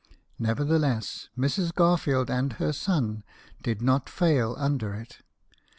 Nevertheless, Mrs. Garfield and her son did not fail under it.